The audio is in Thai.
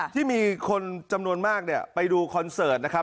ที่มีคนจำนวนมากไปดูคอนเสิร์ตนะครับ